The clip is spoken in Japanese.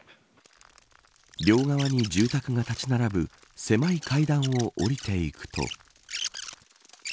両側に住宅が建ち並ぶ狭い階段を下りていくと。